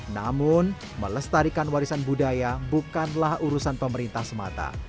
namun melestarikan warisan budaya bukanlah urusan pemerintah semata